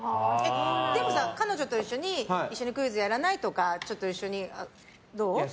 でもさ、彼女と一緒に一緒にクイズやらない？とかちょっと一緒にどう？とか。